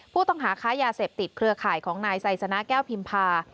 ผู้ต้องหาค้ายาเสพติดเครือข่ายของนายไซสนะแก้วพิมพา